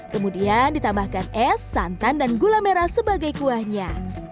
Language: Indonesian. kemudian ditambahkan es santan dan gula merah sebagai kuahnya